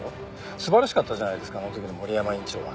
素晴らしかったじゃないですかあの時の森山院長は。